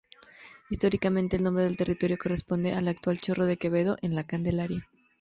Históricamente, el nombre del territorio correspondía al actual Chorro de Quevedo en La Candelaria.